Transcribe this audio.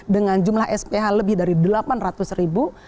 dengan jumlah sph lebih dari delapan ratus ribu